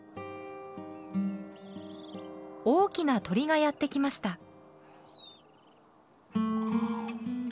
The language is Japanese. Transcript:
大きな鳥がやって来ました。